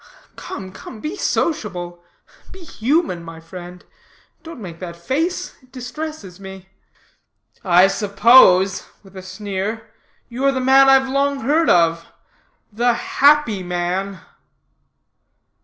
"Come, come, be sociable be human, my friend. Don't make that face; it distresses me." "I suppose," with a sneer, "you are the man I've long heard of The Happy Man."